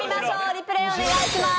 レプレイお願いします。